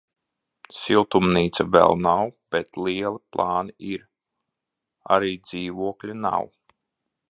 Siltumnīca vēl nav bet lieli plāni ir, arī dzīvokļa nav.